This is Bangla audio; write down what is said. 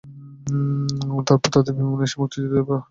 এরপর তাদের বিমান এসে মুক্তিযোদ্ধাদের ওপর প্রচণ্ড হামলা চালায়।